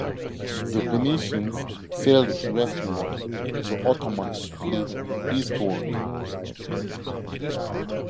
The Venetians sailed westward, the Ottoman fleet eastward.